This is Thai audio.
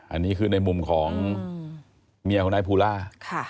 อันนี้คือในมุมของเมียของนายภูล่า